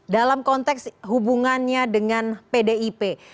dalam konteks hubungannya dengan pdip